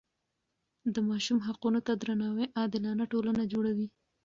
د ماشوم حقونو ته درناوی عادلانه ټولنه جوړوي.